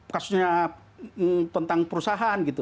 kasusnya tentang perusahaan gitu